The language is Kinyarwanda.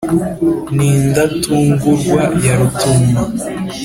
ni indatungurwa ya rutuma